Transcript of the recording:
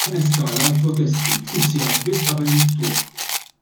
Dan eskala għal protesti, ftit sigħat biss qabel il-ftuħ.